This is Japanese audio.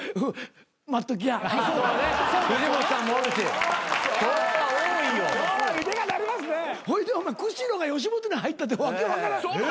えっ！？